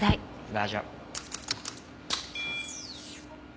ラジャー。